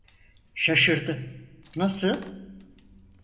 Şaşırdı: Nasıl…